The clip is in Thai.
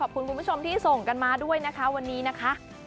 คุณผู้ชมที่ส่งกันมาด้วยนะคะวันนี้นะคะ